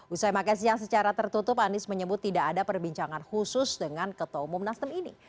usai makan siang secara tertutup anies menyebut tidak ada perbincangan khusus dengan ketua umum nasdem ini